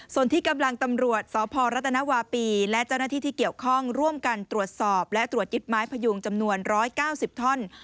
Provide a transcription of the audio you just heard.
ส่วนที่กำลังตำรวจสพรัฐนวาปีและเจ้าหน้าที่ที่เกี่ยวข้องร่วมกันตรวจสอบและตรวจยึดไม้พยุงจำนวน๑๙๐ท่อน